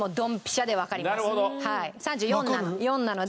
３４なので。